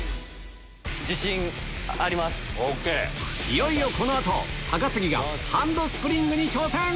いよいよ高杉がハンドスプリングに挑戦！